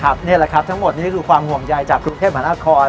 นี่แหละครับทั้งหมดนี้คือความห่วงใยจากกรุงเทพมหานคร